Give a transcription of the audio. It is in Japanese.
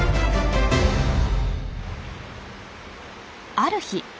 ある日。